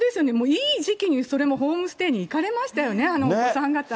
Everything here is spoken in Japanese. いい時期に、それもホームステイに行かれましたよね、あのお子さん方。